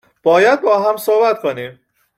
"باید با هم صحبت کنیم"